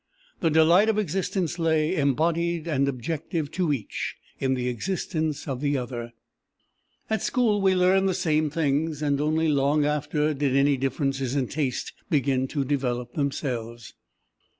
The delight of existence lay, embodied and objective to each, in the existence of the other. "At school we learned the same things, and only long after did any differences in taste begin to develop themselves.